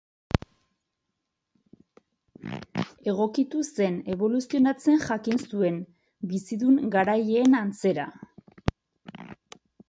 Egokitu zen, eboluzionatzen jakin zuen, bizidun garaileen antzera.